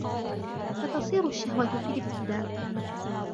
فَتَصِيرُ الشَّهْوَةُ فِي الِابْتِدَاءِ